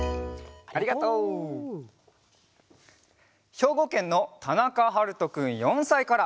ひょうごけんのたなかはるとくん４さいから。